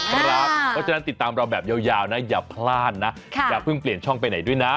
เพราะฉะนั้นติดตามเราแบบยาวนะอย่าพลาดนะอย่าเพิ่งเปลี่ยนช่องไปไหนด้วยนะ